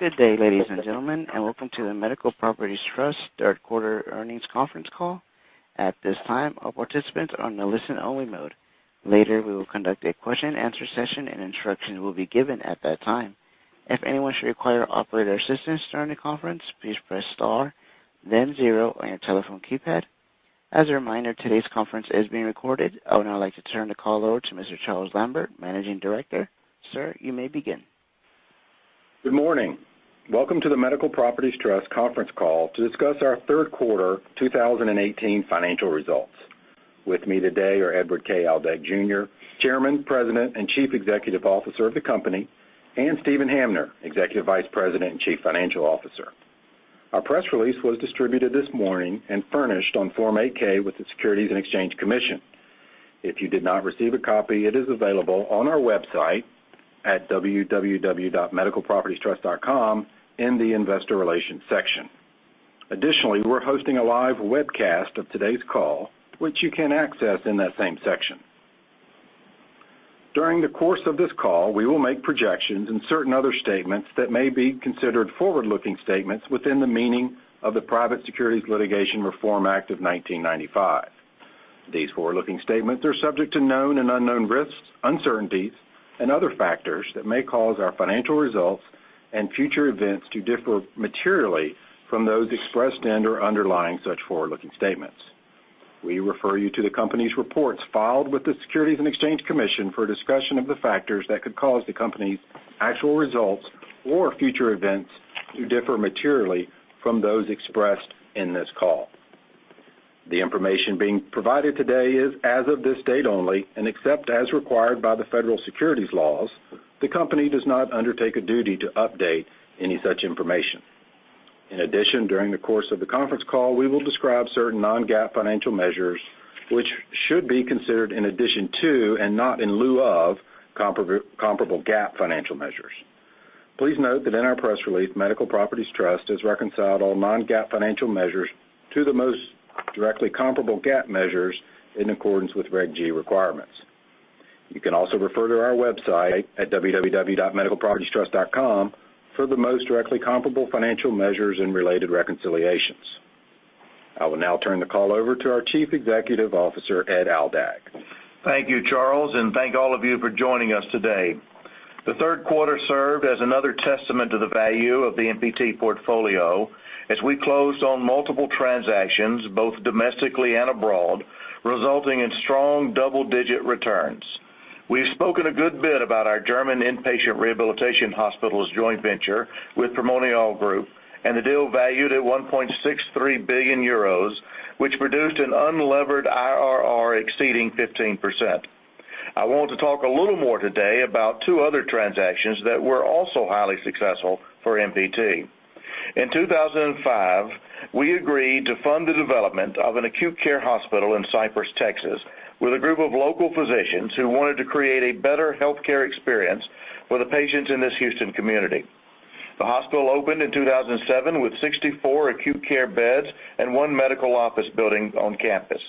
Good day, ladies and gentlemen, and welcome to the Medical Properties Trust third quarter earnings conference call. At this time, all participants are on a listen-only mode. Later, we will conduct a question answer session, and instructions will be given at that time. If anyone should require operator assistance during the conference, please press star then zero on your telephone keypad. As a reminder, today's conference is being recorded. I would now like to turn the call over to Mr. Charles Lambert, Managing Director. Sir, you may begin. Good morning. Welcome to the Medical Properties Trust conference call to discuss our third quarter 2018 financial results. With me today are Edward K. Aldag Jr., Chairman, President, and Chief Executive Officer of the company, and Steven Hamner, Executive Vice President and Chief Financial Officer. Our press release was distributed this morning and furnished on Form 8-K with the Securities and Exchange Commission. If you did not receive a copy, it is available on our website at www.medicalpropertiestrust.com in the investor relations section. Additionally, we're hosting a live webcast of today's call, which you can access in that same section. During the course of this call, we will make projections and certain other statements that may be considered forward-looking statements within the meaning of the Private Securities Litigation Reform Act of 1995. These forward-looking statements are subject to known and unknown risks, uncertainties, and other factors that may cause our financial results and future events to differ materially from those expressed and/or underlying such forward-looking statements. We refer you to the company's reports filed with the Securities and Exchange Commission for a discussion of the factors that could cause the company's actual results or future events to differ materially from those expressed in this call. The information being provided today is as of this date only, and except as required by the federal securities laws, the company does not undertake a duty to update any such information. In addition, during the course of the conference call, we will describe certain non-GAAP financial measures, which should be considered in addition to, and not in lieu of, comparable GAAP financial measures. Please note that in our press release, Medical Properties Trust has reconciled all non-GAAP financial measures to the most directly comparable GAAP measures in accordance with Reg G requirements. You can also refer to our website at www.medicalpropertiestrust.com for the most directly comparable financial measures and related reconciliations. I will now turn the call over to our Chief Executive Officer, Ed Aldag. Thank you, Charles, and thank all of you for joining us today. The third quarter served as another testament to the value of the MPT portfolio as we closed on multiple transactions, both domestically and abroad, resulting in strong double-digit returns. We've spoken a good bit about our German inpatient rehabilitation hospitals joint venture with Primonial Group and the deal valued at 1.63 billion euros, which produced an unlevered IRR exceeding 15%. I want to talk a little more today about two other transactions that were also highly successful for MPT. In 2005, we agreed to fund the development of an acute care hospital in Cypress, Texas, with a group of local physicians who wanted to create a better healthcare experience for the patients in this Houston community. The hospital opened in 2007 with 64 acute care beds and one medical office building on campus.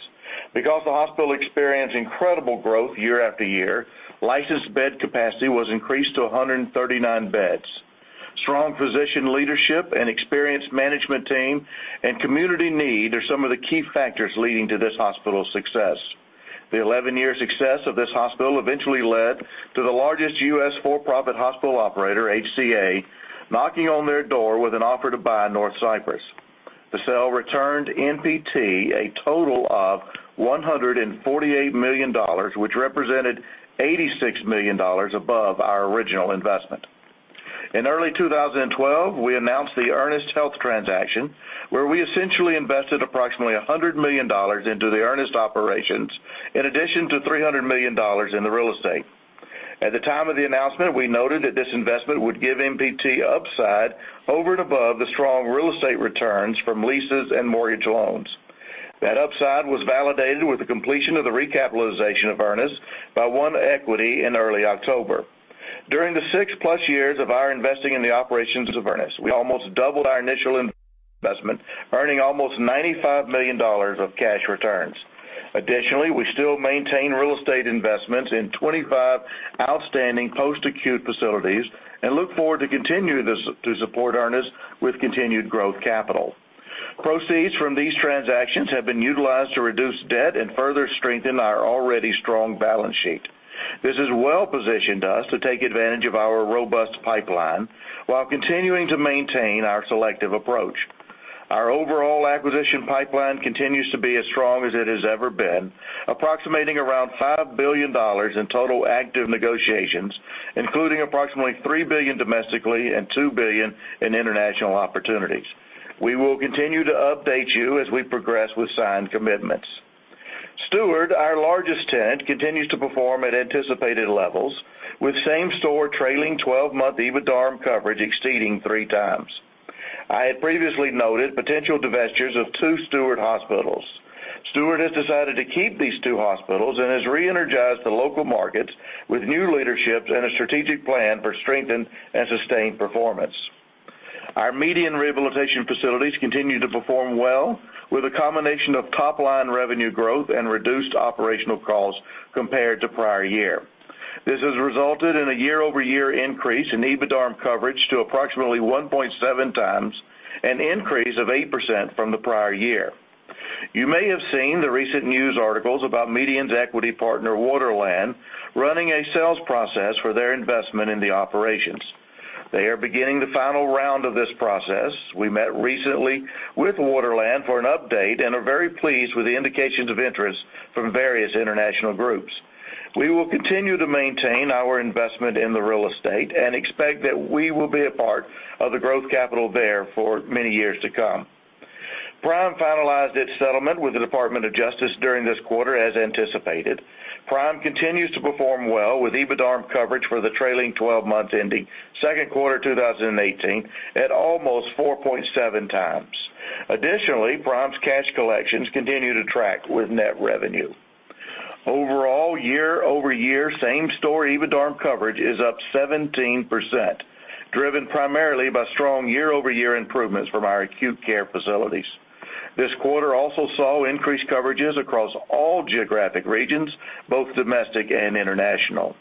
The hospital experienced incredible growth year after year, licensed bed capacity was increased to 139 beds. Strong physician leadership, an experienced management team, and community need are some of the key factors leading to this hospital's success. The 11-year success of this hospital eventually led to the largest U.S. for-profit hospital operator, HCA, knocking on their door with an offer to buy North Cypress. The sale returned MPT a total of $148 million, which represented $86 million above our original investment. In early 2012, we announced the Ernest Health transaction, where we essentially invested approximately $100 million into the Ernest operations, in addition to $300 million in the real estate. At the time of the announcement, we noted that this investment would give MPT upside over and above the strong real estate returns from leases and mortgage loans. That upside was validated with the completion of the recapitalization of Ernest by One Equity in early October. During the 6+ years of our investing in the operations of Ernest, we almost doubled our initial investment, earning almost $95 million of cash returns. Additionally, we still maintain real estate investments in 25 outstanding post-acute facilities and look forward to continuing to support Ernest with continued growth capital. Proceeds from these transactions have been utilized to reduce debt and further strengthen our already strong balance sheet. This has well-positioned us to take advantage of our robust pipeline while continuing to maintain our selective approach. Our overall acquisition pipeline continues to be as strong as it has ever been, approximating around $5 billion in total active negotiations, including approximately $3 billion domestically and $2 billion in international opportunities. We will continue to update you as we progress with signed commitments. Steward, our largest tenant, continues to perform at anticipated levels with same store trailing 12-month EBITDA coverage exceeding three times. I had previously noted potential divestitures of two Steward hospitals. Steward has decided to keep these two hospitals and has re-energized the local markets with new leadership and a strategic plan for strengthened and sustained performance. Our MEDIAN rehabilitation facilities continue to perform well with a combination of top-line revenue growth and reduced operational costs compared to prior year. This has resulted in a year-over-year increase in EBITDARM coverage to approximately 1.7 times, an increase of 8% from the prior year. You may have seen the recent news articles about MEDIAN's equity partner, Waterland, running a sales process for their investment in the operations. They are beginning the final round of this process. We met recently with Waterland for an update and are very pleased with the indications of interest from various international groups. We will continue to maintain our investment in the real estate and expect that we will be a part of the growth capital there for many years to come. Prime finalized its settlement with the Department of Justice during this quarter, as anticipated. Prime continues to perform well with EBITDARM coverage for the trailing 12 months ending second quarter 2018 at almost 4.7 times. Additionally, Prime's cash collections continue to track with net revenue. Overall, year-over-year same-store EBITDARM coverage is up 17%, driven primarily by strong year-over-year improvements from our acute care facilities. This quarter also saw increased coverages across all geographic regions, both domestic and international.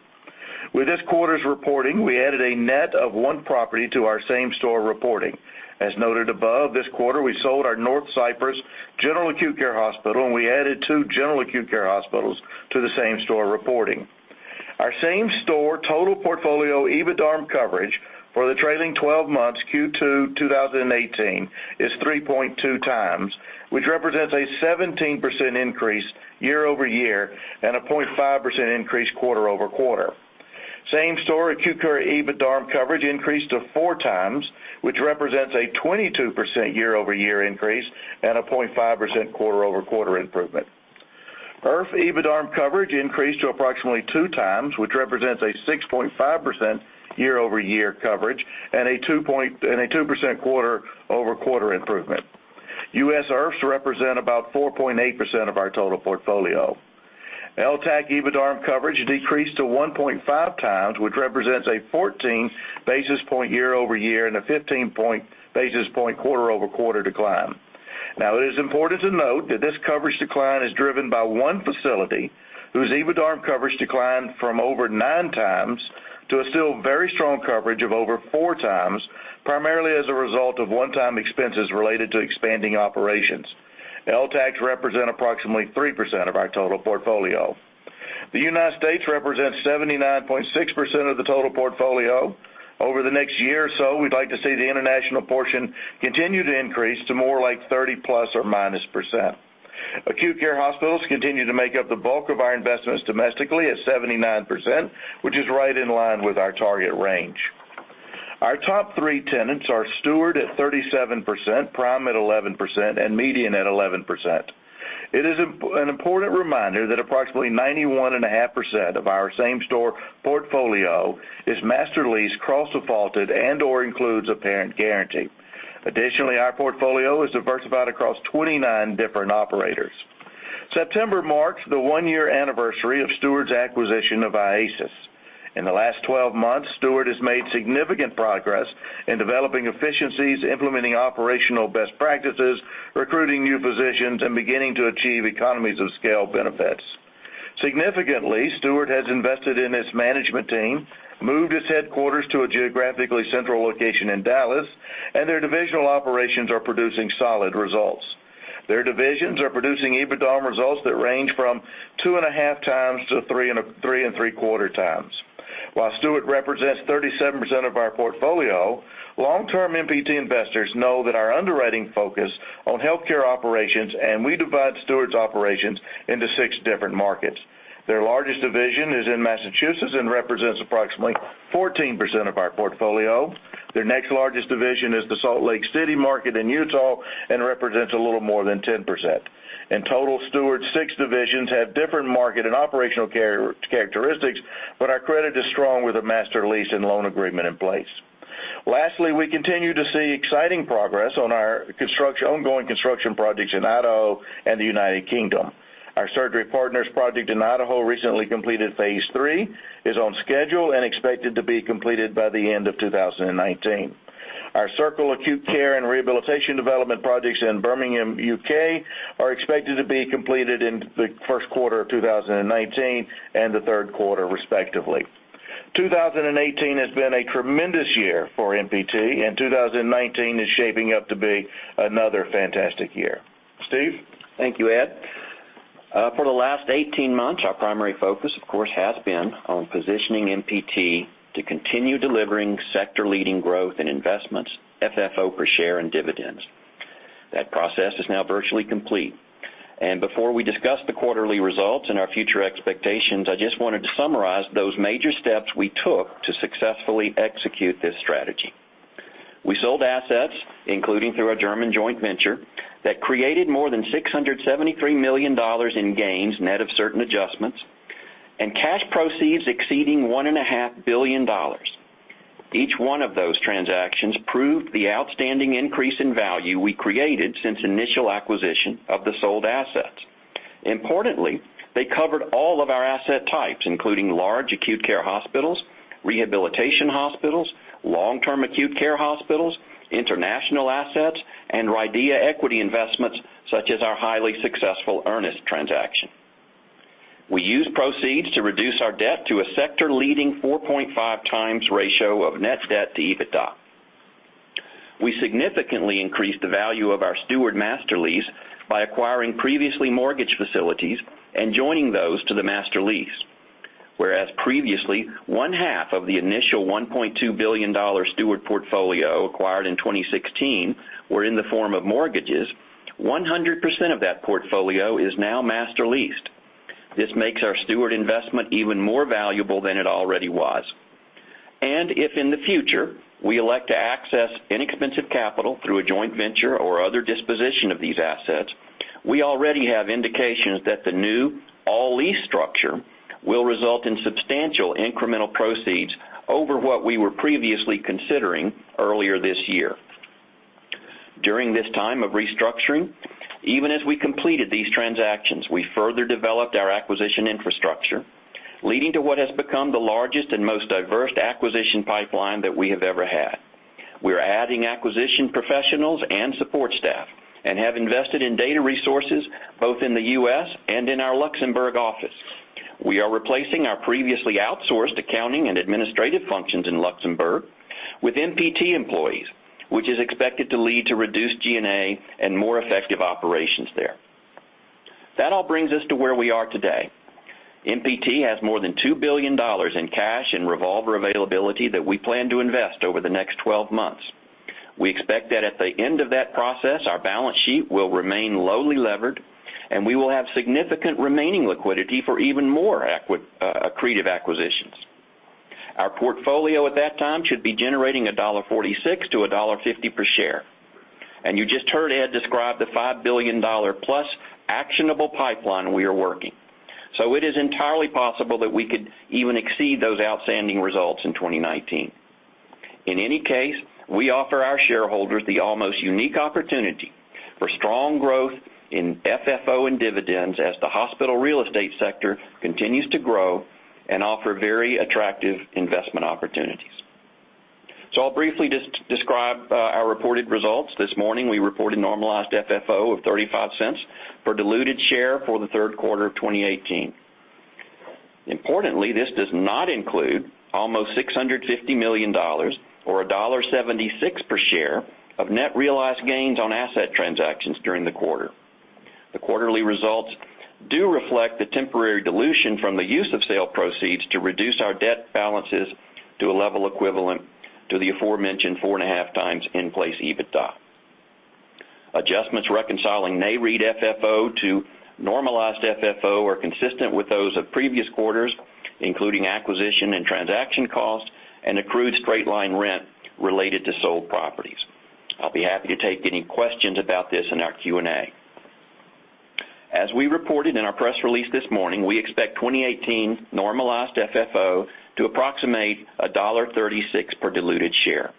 With this quarter's reporting, we added a net of one property to our same-store reporting. As noted above, this quarter, we sold our North Cypress General Acute Care Hospital, and we added 2 general acute care hospitals to the same-store reporting. Our same-store total portfolio EBITDARM coverage for the trailing 12 months Q2 2018 is 3.2 times, which represents a 17% increase year-over-year and a 0.5% increase quarter-over-quarter. Same-store acute care EBITDARM coverage increased to 4 times, which represents a 22% year-over-year increase and a 0.5% quarter-over-quarter improvement. IRF EBITDARM coverage increased to approximately 2 times, which represents a 6.5% year-over-year coverage and a 2% quarter-over-quarter improvement. U.S. IRFs represent about 4.8% of our total portfolio. LTAC EBITDARM coverage decreased to 1.5 times, which represents a 14-basis point year-over-year and a 15-basis point quarter-over-quarter decline. It is important to note that this coverage decline is driven by one facility whose EBITDARM coverage declined from over 9 times to a still very strong coverage of over 4 times, primarily as a result of one-time expenses related to expanding operations. LTACs represent approximately 3% of our total portfolio. The United States represents 79.6% of the total portfolio. Over the next year or so, we'd like to see the international portion continue to increase to more like 30-plus or minus %. Acute care hospitals continue to make up the bulk of our investments domestically at 79%, which is right in line with our target range. Our top three tenants are Steward at 37%, Prime at 11%, and MEDIAN at 11%. It is an important reminder that approximately 91.5% of our same-store portfolio is master lease cross-defaulted and/or includes a parent guarantee. Our portfolio is diversified across 29 different operators. September marks the one-year anniversary of Steward's acquisition of IASIS. In the last 12 months, Steward has made significant progress in developing efficiencies, implementing operational best practices, recruiting new positions, and beginning to achieve economies of scale benefits. Significantly, Steward has invested in its management team, moved its headquarters to a geographically central location in Dallas, and their divisional operations are producing solid results. Their divisions are producing EBITDARM results that range from two and a half times to three and three-quarter times. While Steward represents 37% of our portfolio, long-term MPT investors know that our underwriting focus on healthcare operations, and we divide Steward's operations into six different markets. Their largest division is in Massachusetts and represents approximately 14% of our portfolio. Their next largest division is the Salt Lake City market in Utah and represents a little more than 10%. In total, Steward's six divisions have different market and operational characteristics, but our credit is strong with a master lease and loan agreement in place. Lastly, we continue to see exciting progress on our ongoing construction projects in Idaho and the U.K. Our Surgery Partners project in Idaho recently completed phase 3, is on schedule, and expected to be completed by the end of 2019. Our Circle Acute Care and Rehabilitation development projects in Birmingham, U.K. are expected to be completed in the first quarter of 2019 and the third quarter, respectively. 2018 has been a tremendous year for MPT, and 2019 is shaping up to be another fantastic year. Steve? Thank you, Ed. For the last 18 months, our primary focus, of course, has been on positioning MPT to continue delivering sector-leading growth in investments, FFO per share, and dividends. That process is now virtually complete. Before we discuss the quarterly results and our future expectations, I just wanted to summarize those major steps we took to successfully execute this strategy. We sold assets, including through our German joint venture, that created more than $673 million in gains, net of certain adjustments, and cash proceeds exceeding $1.5 billion. Each one of those transactions proved the outstanding increase in value we created since initial acquisition of the sold assets. Importantly, they covered all of our asset types, including large acute care hospitals, rehabilitation hospitals, long-term acute care hospitals, international assets, and RIDEA equity investments such as our highly successful Ernest transaction. We used proceeds to reduce our debt to a sector-leading 4.5 times ratio of net debt to EBITDA. We significantly increased the value of our Steward master lease by acquiring previously mortgaged facilities and joining those to the master lease. Whereas previously, one half of the initial $1.2 billion Steward portfolio acquired in 2016 were in the form of mortgages, 100% of that portfolio is now master leased. This makes our Steward investment even more valuable than it already was. If in the future, we elect to access inexpensive capital through a joint venture or other disposition of these assets, we already have indications that the new all lease structure will result in substantial incremental proceeds over what we were previously considering earlier this year. During this time of restructuring, even as we completed these transactions, we further developed our acquisition infrastructure, leading to what has become the largest and most diverse acquisition pipeline that we have ever had. We're adding acquisition professionals and support staff and have invested in data resources both in the U.S. and in our Luxembourg office. We are replacing our previously outsourced accounting and administrative functions in Luxembourg with MPT employees, which is expected to lead to reduced G&A and more effective operations there. That all brings us to where we are today. MPT has more than $2 billion in cash and revolver availability that we plan to invest over the next 12 months. We expect that at the end of that process, our balance sheet will remain lowly levered, and we will have significant remaining liquidity for even more accretive acquisitions. Our portfolio at that time should be generating $1.46 to $1.50 per share. You just heard Ed describe the $5 billion-plus actionable pipeline we are working. It is entirely possible that we could even exceed those outstanding results in 2019. In any case, we offer our shareholders the almost unique opportunity for strong growth in FFO and dividends as the hospital real estate sector continues to grow and offer very attractive investment opportunities. I'll briefly describe our reported results. This morning, we reported normalized FFO of $0.35 per diluted share for the third quarter of 2018. Importantly, this does not include almost $650 million or $1.76 per share of net realized gains on asset transactions during the quarter. The quarterly results do reflect the temporary dilution from the use of sale proceeds to reduce our debt balances to a level equivalent to the aforementioned four and a half times in place EBITDA. Adjustments reconciling NAREIT FFO to normalized FFO are consistent with those of previous quarters, including acquisition and transaction costs and accrued straight-line rent related to sold properties. I'll be happy to take any questions about this in our Q&A. As we reported in our press release this morning, we expect 2018 normalized FFO to approximate $1.36 per diluted share.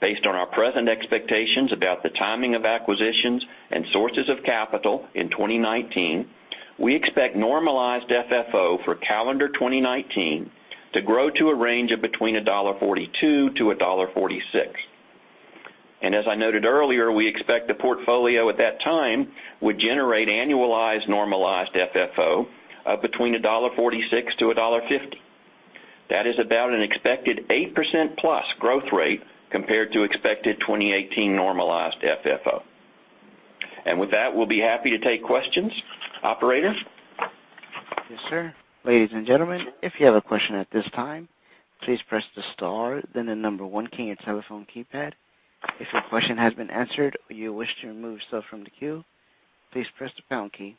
Based on our present expectations about the timing of acquisitions and sources of capital in 2019, we expect normalized FFO for calendar 2019 to grow to a range of between $1.42-$1.46. As I noted earlier, we expect the portfolio at that time would generate annualized normalized FFO of between $1.46-$1.50. That is about an expected 8%+ growth rate compared to expected 2018 normalized FFO. With that, we'll be happy to take questions. Operator? Yes, sir. Ladies and gentlemen, if you have a question at this time, please press the star then the number 1 key on your telephone keypad. If your question has been answered or you wish to remove yourself from the queue, please press the pound key.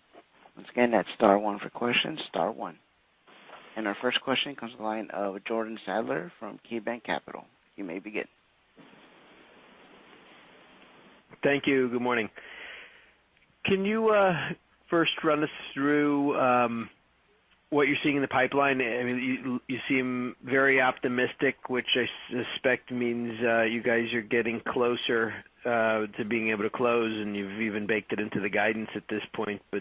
Once again, that's star one for questions, star one. Our first question comes to the line of Jordan Sadler from KeyBanc Capital. You may begin. Thank you. Good morning. Can you first run us through what you're seeing in the pipeline? You seem very optimistic, which I suspect means you guys are getting closer to being able to close, and you've even baked it into the guidance at this point. Is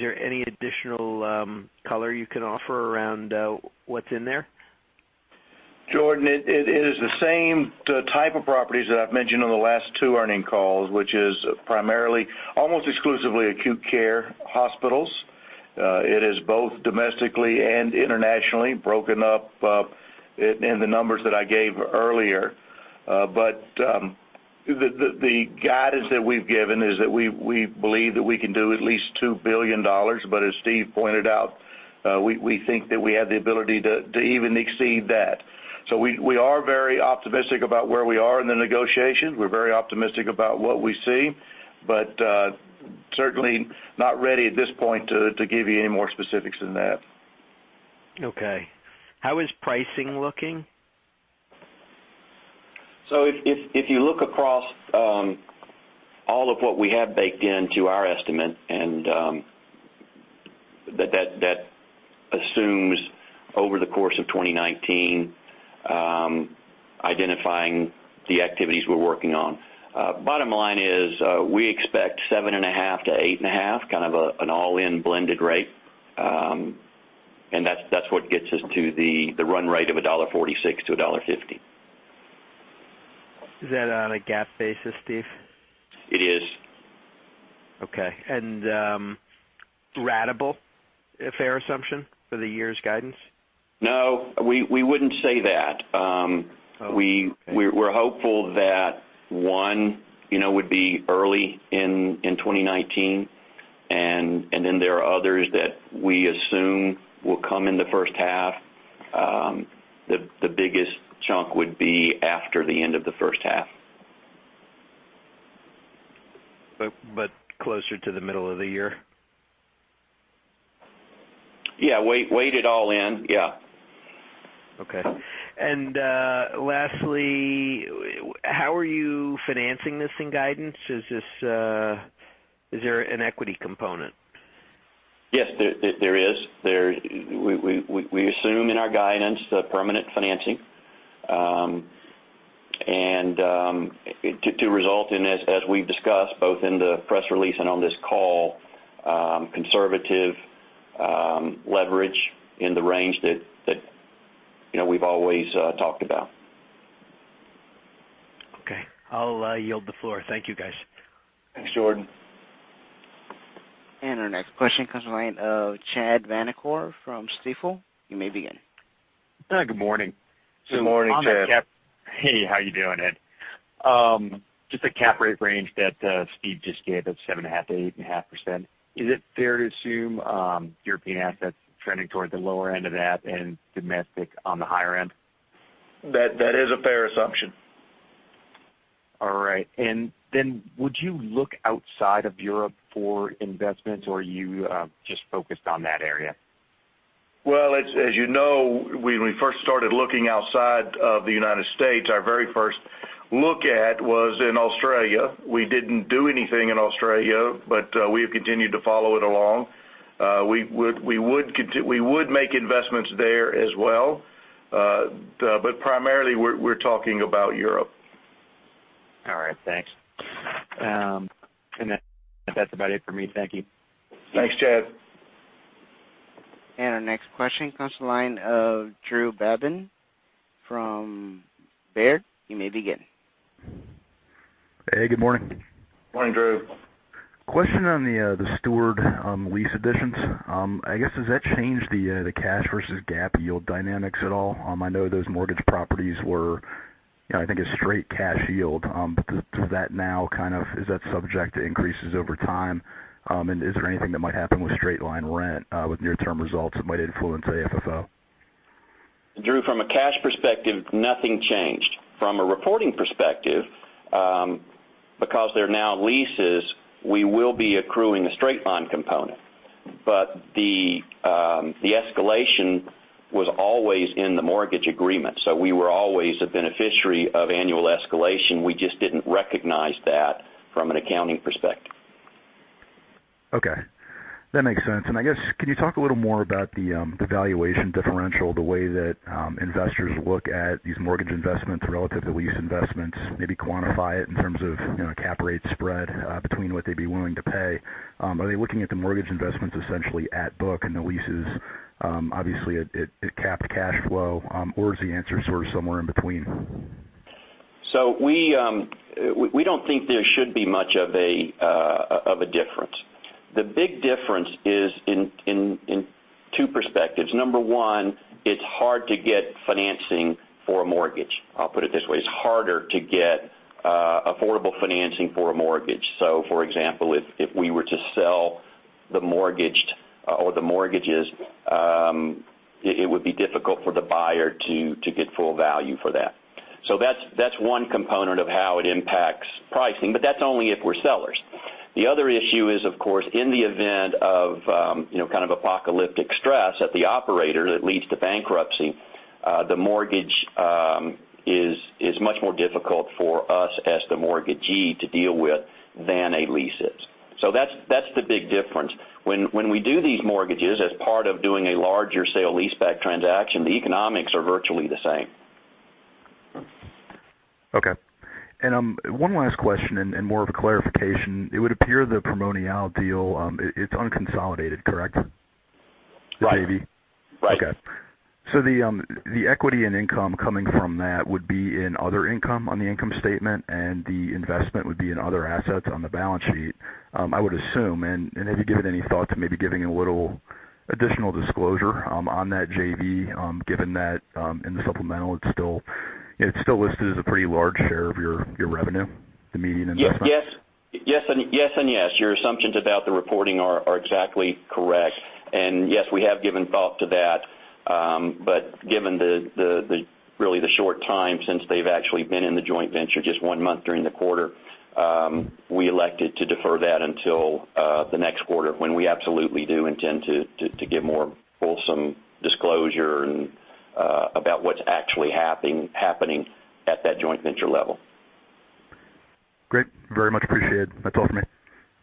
there any additional color you can offer around what's in there? Jordan, it is the same type of properties that I've mentioned on the last two earning calls, which is primarily almost exclusively acute care hospitals. It is both domestically and internationally broken up in the numbers that I gave earlier. The guidance that we've given is that we believe that we can do at least $2 billion. As Steve pointed out, we think that we have the ability to even exceed that. We are very optimistic about where we are in the negotiations. We're very optimistic about what we see, but certainly not ready at this point to give you any more specifics than that. Okay. How is pricing looking? If you look across all of what we have baked into our estimate, and that assumes over the course of 2019, identifying the activities we're working on. Bottom line is, we expect 7.5%-8.5%, kind of an all-in blended rate. That's what gets us to the run rate of $1.46-$1.50. Is that on a GAAP basis, Steve? It is. Okay. Ratable, a fair assumption for the year's guidance? No, we wouldn't say that. Oh, okay. We're hopeful that one would be early in 2019, and then there are others that we assume will come in the first half. The biggest chunk would be after the end of the first half. Closer to the middle of the year? Yeah. Weighted all in, yeah. Okay. Lastly, how are you financing this in guidance? Is there an equity component? Yes, there is. We assume in our guidance the permanent financing, and to result in, as we've discussed, both in the press release and on this call, conservative leverage in the range that we've always talked about. Okay. I'll yield the floor. Thank you, guys. Thanks, Jordan. Our next question comes the line of Chad Vanacore from Stifel. You may begin. Hi, good morning. Good morning, Chad. Hey, how you doing, Ed? Just a cap rate range that Steve just gave, that 7.5%-8.5%, is it fair to assume European assets trending toward the lower end of that and domestic on the higher end? That is a fair assumption. All right. Then would you look outside of Europe for investments, or are you just focused on that area? Well, as you know, when we first started looking outside of the United States, our very first look at was in Australia. We didn't do anything in Australia, we have continued to follow it along. We would make investments there as well. Primarily, we're talking about Europe. All right. Thanks. That's about it for me. Thank you. Thanks, Chad. Our next question comes to the line of Drew Babin from Baird. You may begin. Hey, good morning. Morning, Drew. Question on the Steward lease additions. I guess, has that changed the cash versus GAAP yield dynamics at all? I know those mortgage properties were, I think, a straight cash yield. Is that now subject to increases over time? Is there anything that might happen with straight-line rent, with near-term results that might influence AFFO? Drew, from a cash perspective, nothing changed. From a reporting perspective, because they're now leases, we will be accruing a straight-line component. The escalation was always in the mortgage agreement. We were always a beneficiary of annual escalation. We just didn't recognize that from an accounting perspective. Okay. That makes sense. I guess, can you talk a little more about the valuation differential, the way that investors look at these mortgage investments relative to lease investments, maybe quantify it in terms of cap rate spread between what they'd be willing to pay? Are they looking at the mortgage investments essentially at book and the leases, obviously, at capped cash flow? Is the answer sort of somewhere in between? We don't think there should be much of a difference. The big difference is in two perspectives. Number 1, it's hard to get financing for a mortgage. I'll put it this way. It's harder to get affordable financing for a mortgage. For example, if we were to sell the mortgaged or the mortgages, it would be difficult for the buyer to get full value for that. That's one component of how it impacts pricing, but that's only if we're sellers. The other issue is, of course, in the event of kind of apocalyptic stress at the operator that leads to bankruptcy, the mortgage is much more difficult for us as the mortgagee to deal with than a lease is. That's the big difference. When we do these mortgages as part of doing a larger sale leaseback transaction, the economics are virtually the same. Okay. One last question and more of a clarification. It would appear the Primonial deal, it's unconsolidated, correct? Right. The JV. Right. Okay. The equity and income coming from that would be in other income on the income statement, and the investment would be in other assets on the balance sheet, I would assume. Have you given any thought to maybe giving a little additional disclosure on that JV, given that in the supplemental it's still listed as a pretty large share of your revenue, the MEDIAN investment? Yes and yes. Your assumptions about the reporting are exactly correct. Yes, we have given thought to that. Given really the short time since they've actually been in the joint venture, just one month during the quarter, we elected to defer that until the next quarter when we absolutely do intend to give more fulsome disclosure about what's actually happening at that joint venture level. Great. Very much appreciated. That's all for me.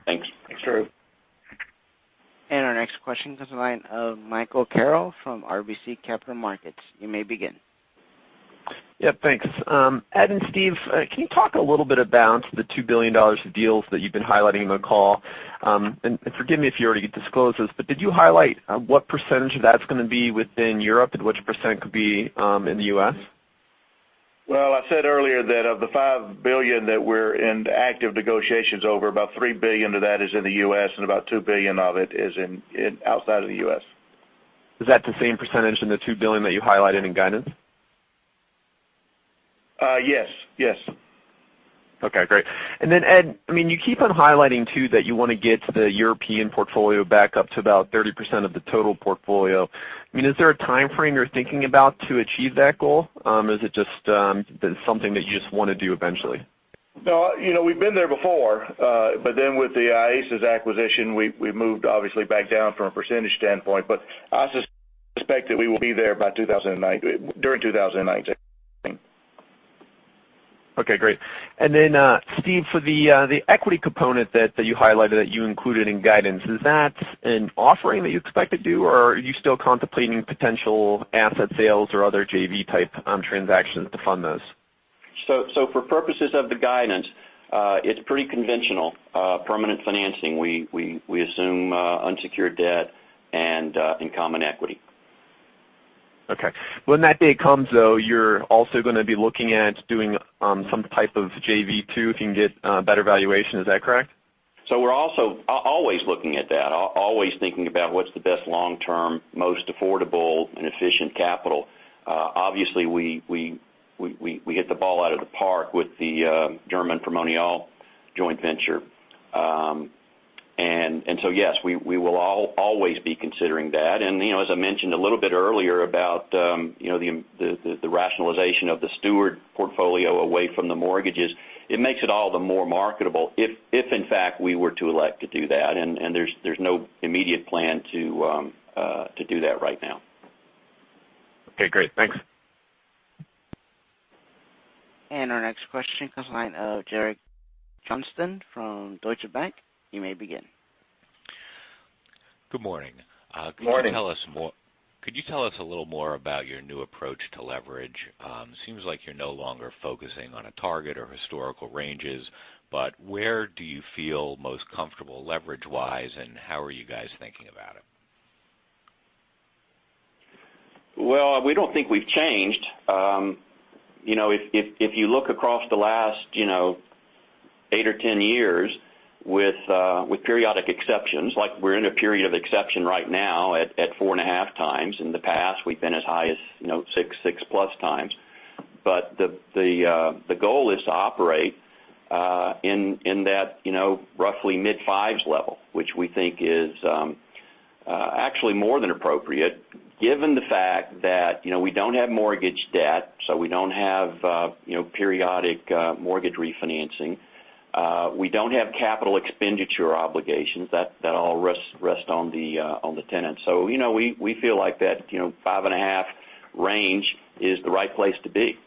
Thanks. Thanks, Drew. Our next question comes the line of Michael Carroll from RBC Capital Markets. You may begin. Thanks. Ed and Steve, can you talk a little bit about the $2 billion of deals that you've been highlighting on the call? Forgive me if you already disclosed this, but did you highlight what % of that's going to be within Europe and which % could be in the U.S.? I said earlier that of the $5 billion that we're in active negotiations over, about $3 billion of that is in the U.S., and about $2 billion of it is outside of the U.S. Is that the same percentage in the $2 billion that you highlighted in guidance? Yes. Okay, great. Ed, you keep on highlighting, too, that you want to get the European portfolio back up to about 30% of the total portfolio. Is there a timeframe you're thinking about to achieve that goal? Is it just something that you just want to do eventually? No. We've been there before. With the IASIS acquisition, we've moved obviously back down from a percentage standpoint, but I suspect that we will be there during 2019. Okay, great. Steve, for the equity component that you highlighted that you included in guidance, is that an offering that you expect to do or are you still contemplating potential asset sales or other JV-type transactions to fund those? For purposes of the guidance, it's pretty conventional. Permanent financing, we assume unsecured debt and common equity. Okay. When that day comes, though, you're also going to be looking at doing some type of JV too, if you can get better valuation. Is that correct? We're also always looking at that, always thinking about what's the best long-term, most affordable and efficient capital. Obviously, we hit the ball out of the park with the German Primonial joint venture. Yes, we will always be considering that. As I mentioned a little bit earlier about the rationalization of the Steward portfolio away from the mortgages, it makes it all the more marketable if, in fact, we were to elect to do that. There's no immediate plan to do that right now. Okay, great. Thanks. Our next question comes the line of Derek Johnston from Deutsche Bank. You may begin. Good morning. Good morning. Could you tell us a little more about your new approach to leverage? Seems like you're no longer focusing on a target or historical ranges, where do you feel most comfortable leverage-wise, and how are you guys thinking about it? Well, we don't think we've changed. If you look across the last eight or 10 years with periodic exceptions, like we're in a period of exception right now at four and a half times. In the past, we've been as high as six-plus times. The goal is to operate in that roughly mid-fives level, which we think is actually more than appropriate given the fact that we don't have mortgage debt, we don't have periodic mortgage refinancing. We don't have capital expenditure obligations. That all rests on the tenant. We feel like that five and a half range is the right place to be.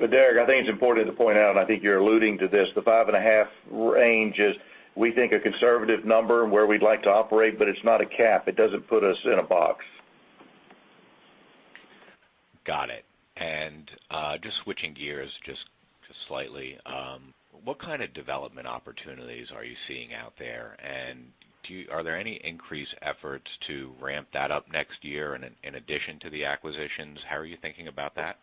Derek, I think it's important to point out, and I think you're alluding to this, the five and a half range is, we think, a conservative number where we'd like to operate, but it's not a cap. It doesn't put us in a box. Got it. Just switching gears just slightly, what kind of development opportunities are you seeing out there? Are there any increased efforts to ramp that up next year in addition to the acquisitions? How are you thinking about that?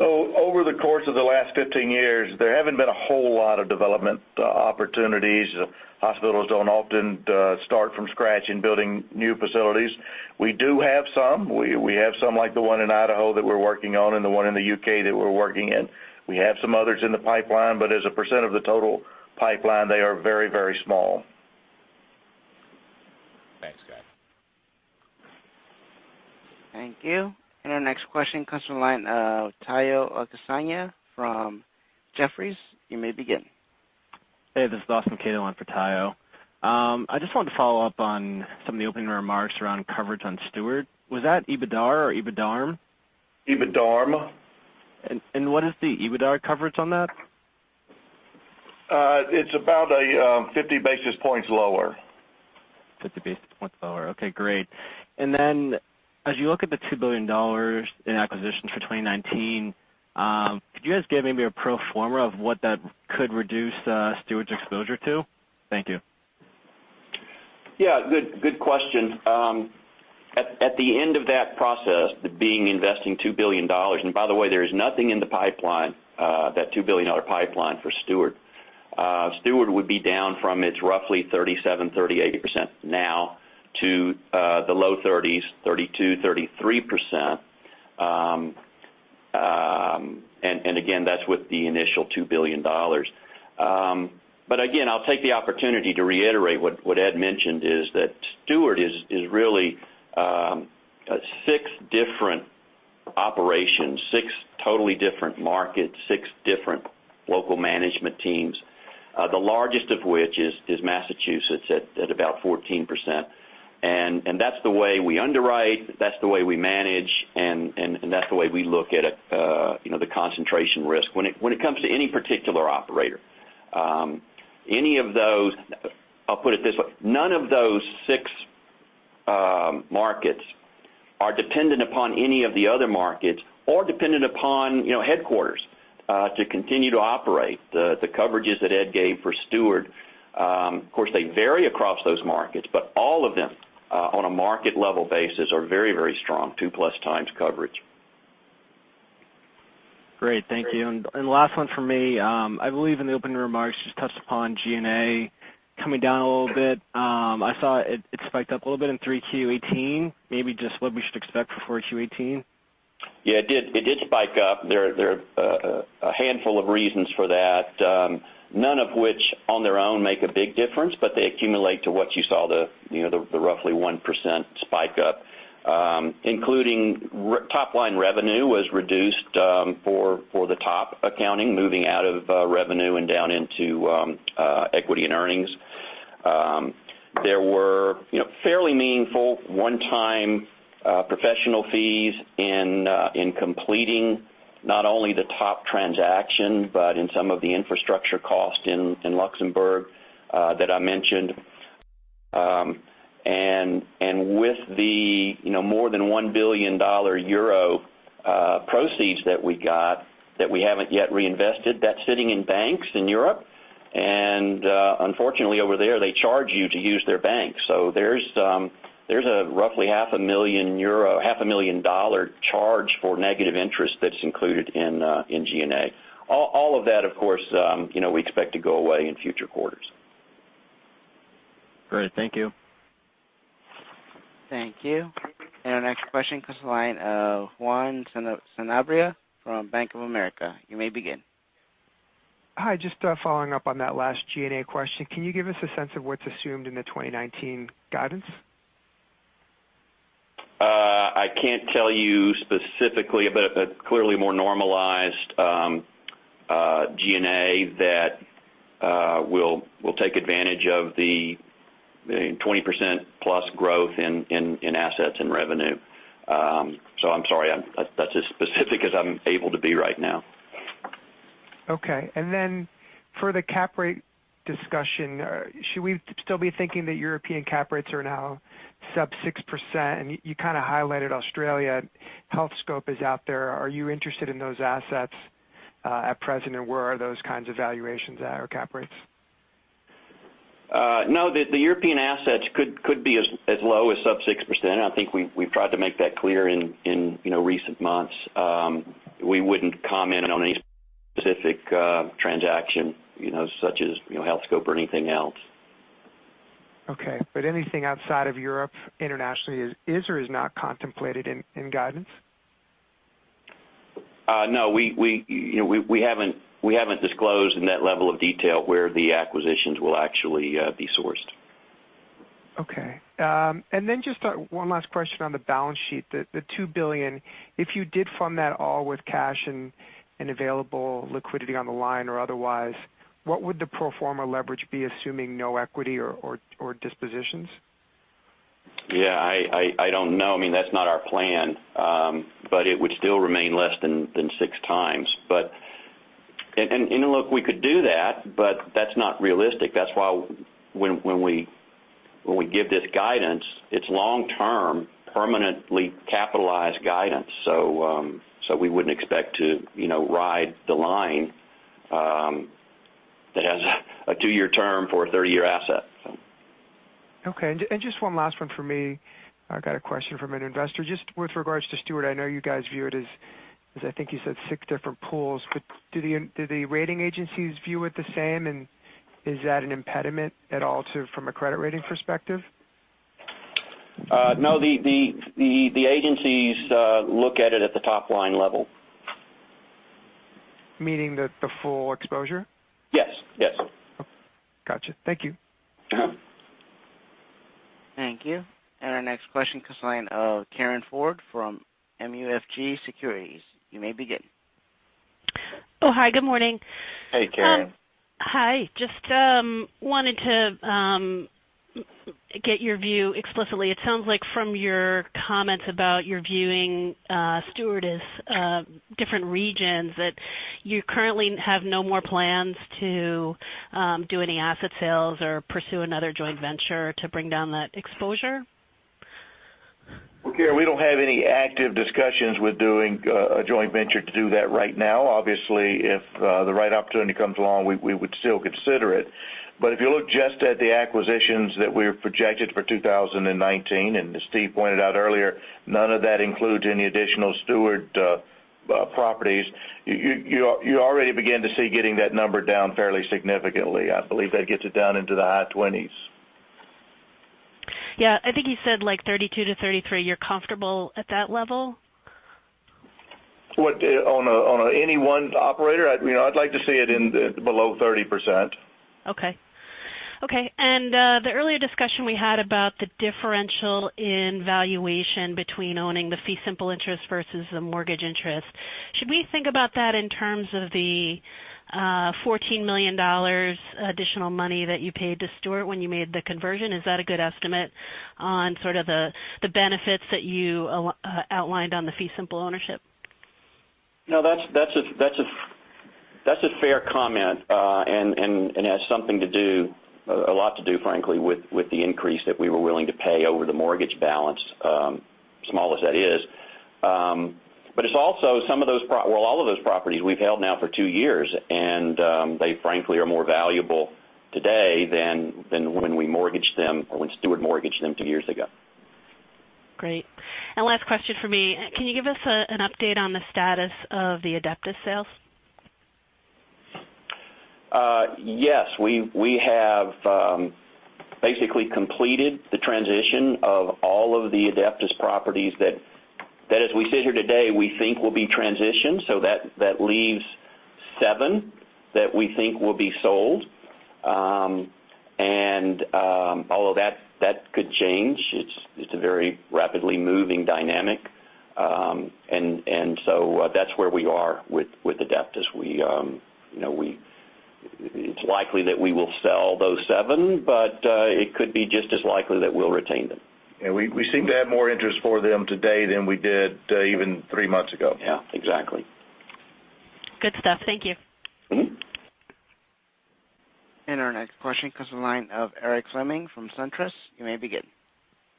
Over the course of the last 15 years, there haven't been a whole lot of development opportunities. Hospitals don't often start from scratch in building new facilities. We do have some. We have some like the one in Idaho that we're working on and the one in the U.K. that we're working in. We have some others in the pipeline, but as a % of the total pipeline, they are very small. Thanks, guys. Thank you. Our next question comes from the line of Tayo Okusanya from Jefferies. You may begin. Hey, this is Austin Caito on for Tayo. I just wanted to follow up on some of the opening remarks around coverage on Steward. Was that EBITDAR or EBITDARM? EBITDARM. What is the EBITDAR coverage on that? It's about 50 basis points lower. 50 basis points lower. Okay, great. As you look at the $2 billion in acquisitions for 2019, could you guys give maybe a pro forma of what that could reduce Steward's exposure to? Thank you. Yeah, good question. At the end of that process, being investing $2 billion. By the way, there is nothing in the pipeline, that $2 billion pipeline for Steward. Steward would be down from its roughly 37%, 38% now to the low 30s, 32%, 33%. Again, that's with the initial $2 billion. Again, I'll take the opportunity to reiterate what Ed mentioned, is that Steward is really six different operations, six totally different markets, six different local management teams. The largest of which is Massachusetts at about 14%. That's the way we underwrite, that's the way we manage, and that's the way we look at the concentration risk. When it comes to any particular operator, I'll put it this way. None of those six markets are dependent upon any of the other markets or dependent upon headquarters to continue to operate. The coverages that Ed gave for Steward, of course, they vary across those markets, but all of them, on a market level basis, are very, very strong, two-plus times coverage. Great. Thank you. Last one from me. I believe in the opening remarks, just touched upon G&A coming down a little bit. I saw it spiked up a little bit in 3Q 2018, maybe just what we should expect for 4Q 2018. Yeah, it did spike up. There are a handful of reasons for that. None of which, on their own, make a big difference, but they accumulate to what you saw, the roughly 1% spike up, including top-line revenue was reduced for the top accounting, moving out of revenue and down into equity and earnings. There were fairly meaningful one-time professional fees in completing not only the top transaction, but in some of the infrastructure cost in Luxembourg that I mentioned. With the more than EUR 1 billion proceeds that we got that we haven't yet reinvested, that's sitting in banks in Europe. Unfortunately, over there, they charge you to use their banks. There's a roughly half a million dollar charge for negative interest that's included in G&A. All of that, of course, we expect to go away in future quarters. Great. Thank you. Thank you. Our next question comes to the line of Juan Sanabria from Bank of America. You may begin. Hi, just following up on that last G&A question. Can you give us a sense of what's assumed in the 2019 guidance? I can't tell you specifically, a clearly more normalized G&A that will take advantage of the 20%-plus growth in assets and revenue. I'm sorry, that's as specific as I'm able to be right now. Okay. For the cap rate discussion, should we still be thinking that European cap rates are now sub 6%? You kind of highlighted Australia. Healthscope is out there. Are you interested in those assets at present? Where are those kinds of valuations at, or cap rates? No, the European assets could be as low as sub 6%. I think we've tried to make that clear in recent months. We wouldn't comment on any specific transaction, such as Healthscope or anything else. Okay. Anything outside of Europe internationally is or is not contemplated in guidance? No, we haven't disclosed in that level of detail where the acquisitions will actually be sourced. Okay. Just one last question on the balance sheet. The $2 billion, if you did fund that all with cash and available liquidity on the line or otherwise, what would the pro forma leverage be, assuming no equity or dispositions? Yeah, I don't know. That's not our plan. It would still remain less than six times. Look, we could do that, but that's not realistic. That's why when we give this guidance, it's long-term, permanently capitalized guidance. We wouldn't expect to ride the line that has a two-year term for a 30-year asset. Okay. Just one last one for me. I got a question from an investor. Just with regards to Steward, I know you guys view it as, I think you said six different pools, but do the rating agencies view it the same, and is that an impediment at all from a credit rating perspective? No, the agencies look at it at the top-line level. Meaning the full exposure? Yes. Okay. Got you. Thank you. Thank you. Our next question comes to the line of Karin Ford from MUFG Securities. You may begin. Hi. Good morning. Hey, Karin. Hi. Just wanted to get your view explicitly. It sounds like from your comments about your viewing Steward as different regions, that you currently have no more plans to do any asset sales or pursue another joint venture to bring down that exposure? Well, Karin, we don't have any active discussions with doing a joint venture to do that right now. Obviously, if the right opportunity comes along, we would still consider it. If you look just at the acquisitions that we've projected for 2019, and as Steve pointed out earlier, none of that includes any additional Steward properties. You already begin to see getting that number down fairly significantly. I believe that gets it down into the high 20s. Yeah, I think you said, like, 32%-33%. You're comfortable at that level? On any one operator, I'd like to see it below 30%. Okay. The earlier discussion we had about the differential in valuation between owning the fee simple interest versus the mortgage interest, should we think about that in terms of the $14 million additional money that you paid to Steward when you made the conversion? Is that a good estimate on sort of the benefits that you outlined on the fee simple ownership? No, that's a fair comment, and has a lot to do, frankly, with the increase that we were willing to pay over the mortgage balance, small as that is. It's also, all of those properties we've held now for two years, and they frankly are more valuable today than when we mortgaged them or when Steward mortgaged them two years ago. Great. Last question from me. Can you give us an update on the status of the Adeptus sales? Yes. We have basically completed the transition of all of the Adeptus properties that as we sit here today, we think will be transitioned. That leaves seven that we think will be sold. Although that could change. It's a very rapidly moving dynamic. That's where we are with Adeptus. It's likely that we will sell those seven, but it could be just as likely that we'll retain them. We seem to have more interest for them today than we did even three months ago. Yeah, exactly. Good stuff. Thank you. Our next question comes from the line of Eric Fleming from SunTrust. You may begin.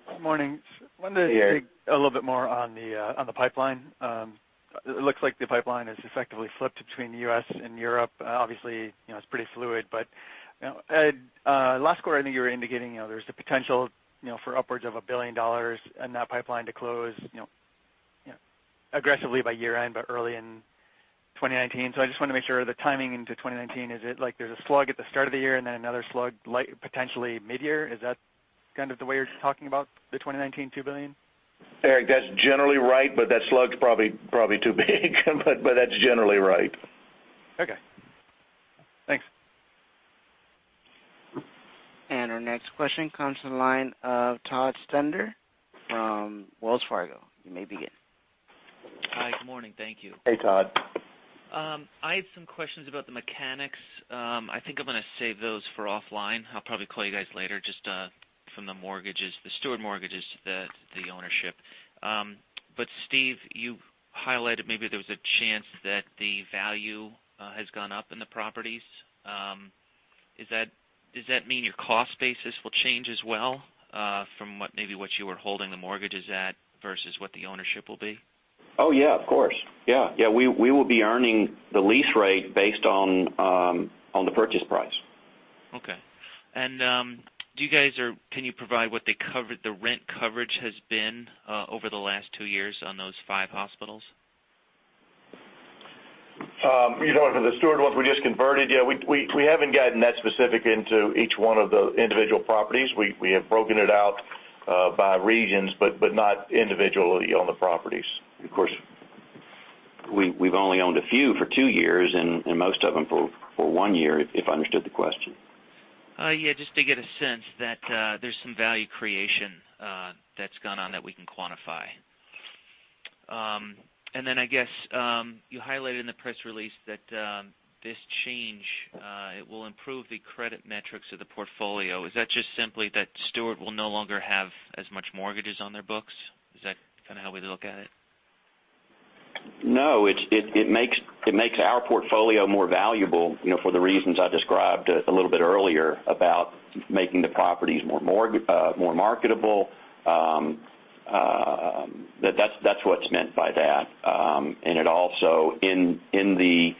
Good morning. Hey, Eric. I wanted to dig a little bit more on the pipeline. It looks like the pipeline has effectively flipped between the U.S. and Europe. Obviously, it's pretty fluid. Last quarter, I think you were indicating there's the potential for upwards of $1 billion in that pipeline to close aggressively by year-end, early in 2019. I just want to make sure the timing into 2019, is it like there's a slug at the start of the year and then another slug potentially mid-year? Is that kind of the way you're talking about the 2019 $2 billion? Eric, that's generally right, that slug's probably too big. That's generally right. Okay. Thanks. Our next question comes to the line of Todd Stender from Wells Fargo. You may begin. Hi, good morning. Thank you. Hey, Todd. I have some questions about the mechanics. I think I'm going to save those for offline. I'll probably call you guys later, just from the mortgages, the Steward mortgages, the ownership. Steve, you highlighted maybe there was a chance that the value has gone up in the properties. Does that mean your cost basis will change as well from maybe what you were holding the mortgages at versus what the ownership will be? Oh, yeah, of course. Yeah. We will be earning the lease rate based on the purchase price. Okay. Can you provide what the rent coverage has been over the last two years on those five hospitals? For the Steward ones we just converted, yeah, we haven't gotten that specific into each one of the individual properties. We have broken it out by regions, but not individually on the properties. Of course, we've only owned a few for two years, and most of them for one year, if I understood the question. Yeah, just to get a sense that there's some value creation that's gone on that we can quantify. Then I guess, you highlighted in the press release that this change, it will improve the credit metrics of the portfolio. Is that just simply that Steward will no longer have as much mortgages on their books? Is that kind of how we look at it? No, it makes our portfolio more valuable, for the reasons I described a little bit earlier about making the properties more marketable. That's what's meant by that. It also, in the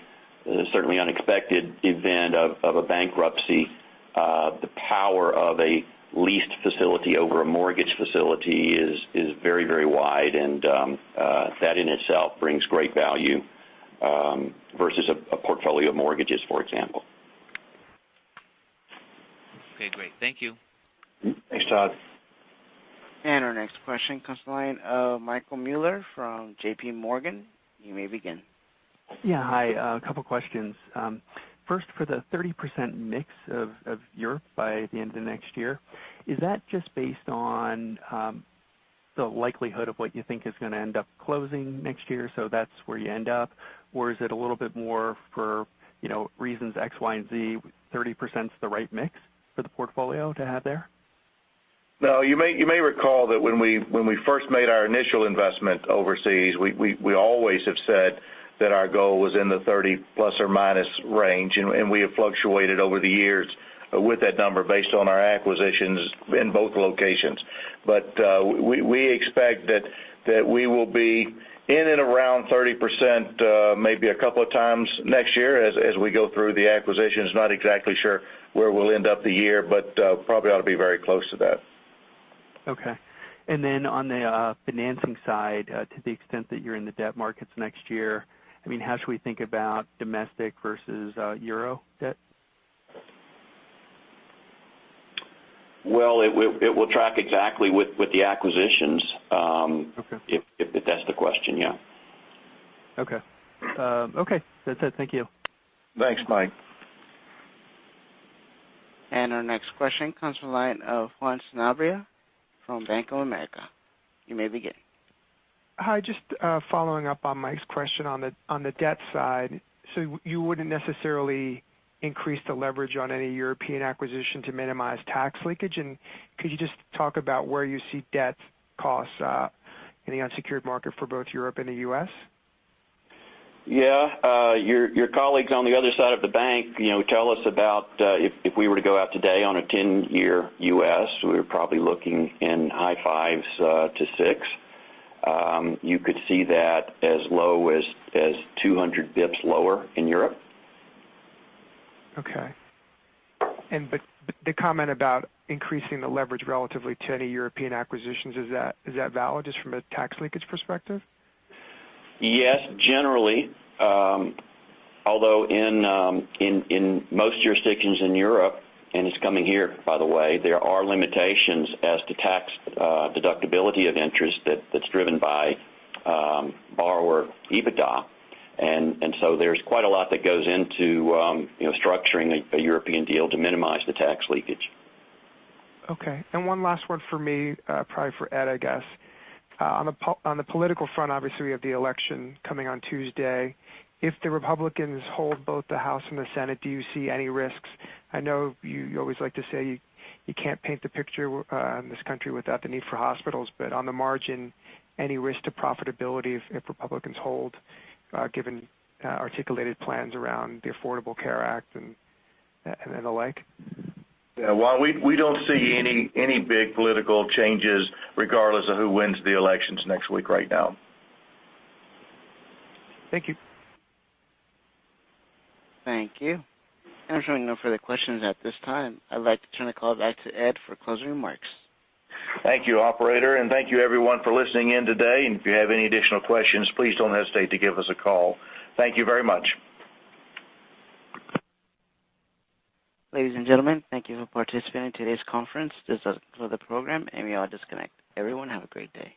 certainly unexpected event of a bankruptcy, the power of a leased facility over a mortgage facility is very wide, and that in itself brings great value versus a portfolio of mortgages, for example. Okay, great. Thank you. Thanks, Todd. Our next question comes to the line of Michael Mueller from JP Morgan. You may begin. Yeah, hi. A couple questions. First, for the 30% mix of Europe by the end of next year, is that just based on the likelihood of what you think is going to end up closing next year, so that's where you end up? Or is it a little bit more for reasons X, Y, and Z, 30%'s the right mix for the portfolio to have there? You may recall that when we first made our initial investment overseas, we always have said that our goal was in the 30-plus or minus range, and we have fluctuated over the years with that number based on our acquisitions in both locations. We expect that we will be in and around 30% maybe a couple of times next year as we go through the acquisitions. Not exactly sure where we'll end up the year, probably ought to be very close to that. Okay. Then on the financing side, to the extent that you're in the debt markets next year, how should we think about domestic versus euro debt? Well, it will track exactly with the acquisitions- Okay if that's the question. Yeah. Okay. That's it. Thank you. Thanks, Mike. Our next question comes from the line of Juan Sanabria from Bank of America. You may begin. Hi, just following up on Mike's question on the debt side. You wouldn't necessarily increase the leverage on any European acquisition to minimize tax leakage? Could you just talk about where you see debt costs in the unsecured market for both Europe and the U.S.? Yeah. Your colleagues on the other side of the bank tell us about if we were to go out today on a 10-year U.S., we're probably looking in high fives to six. You could see that as low as 200 basis points lower in Europe. Okay. The comment about increasing the leverage relatively to any European acquisitions, is that valid just from a tax leakage perspective? Yes. Generally. In most jurisdictions in Europe, and it's coming here, by the way, there are limitations as to tax deductibility of interest that's driven by borrower EBITDA. There's quite a lot that goes into structuring a European deal to minimize the tax leakage. Okay. One last one for me, probably for Ed, I guess. On the political front, obviously, we have the election coming on Tuesday. If the Republicans hold both the House and the Senate, do you see any risks? I know you always like to say you can't paint the picture in this country without the need for hospitals, but on the margin, any risk to profitability if Republicans hold, given articulated plans around the Affordable Care Act and the like? Yeah. Well, we don't see any big political changes regardless of who wins the elections next week right now. Thank you. Thank you. I'm showing no further questions at this time. I'd like to turn the call back to Ed for closing remarks. Thank you, operator, thank you everyone for listening in today. If you have any additional questions, please don't hesitate to give us a call. Thank you very much. Ladies and gentlemen, thank you for participating in today's conference. This does conclude the program, you all disconnect. Everyone, have a great day.